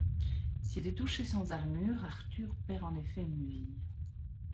S'il est touché sans armure Arthur perd en effet une vie.